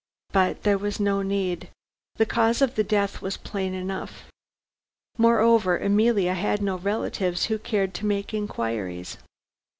But there was no need. The cause of the death was plain enough. Moreover, Emilia had no relatives who cared to make inquiries.